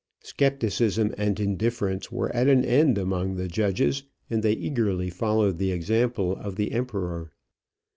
Skepticism and indifference were at an end among the judges, and they eagerly followed the example of the Emperor.